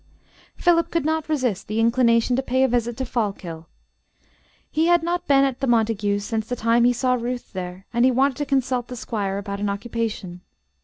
Philip could not resist the inclination to pay a visit to Fallkill. He had not been at the Montague's since the time he saw Ruth there, and he wanted to consult the Squire about an occupation.